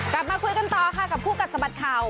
กลับมาคุยกันต่อค่ะกับคู่กัดสะบัดข่าว